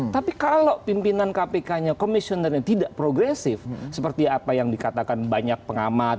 tapi kalau pimpinan kpknya komisionernya tidak progresif seperti apa yang dikatakan banyak pengamat